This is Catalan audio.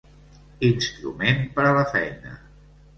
Instrument per a la feina.